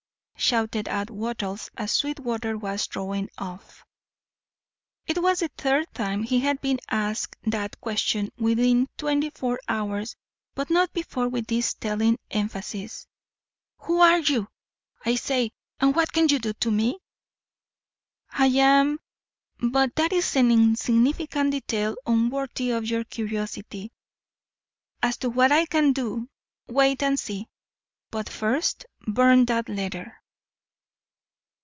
shouted out Wattles as Sweetwater was drawing off. It was the third time he had been asked that question within twenty four hours, but not before with this telling emphasis. "Who are you, I say, and what can you do to me ?" "I am But that is an insignificant detail unworthy of your curiosity. As to what I can do, wait and see. But first burn that letter."